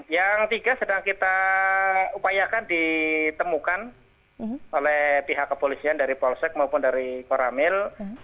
yang tiga sedang kita upayakan ditemukan oleh pihak kepolisian dari polsek maupun dari koramil